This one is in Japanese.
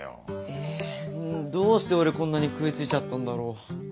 えどうして俺こんなに食いついちゃったんだろう？